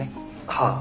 はあ。